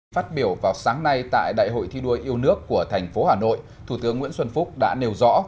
phát biểu vào sáng nay tại đại hội thi đua yêu nước của thành phố hà nội thủ tướng nguyễn xuân phúc đã nêu rõ